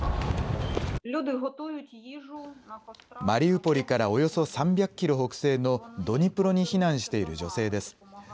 マリウポリからおよそ３００キロ北西のドニプロに避難している女性です。